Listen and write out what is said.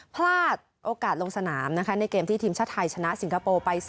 พลาดโอกาสลงสนามนะคะในเกมที่ทีมชาติไทยชนะสิงคโปร์ไป๒